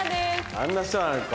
あんな人なのか。